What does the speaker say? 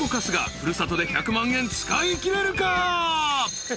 ［古里で１００万円使いきれるか？］